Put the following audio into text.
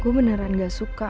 gue beneran gak suka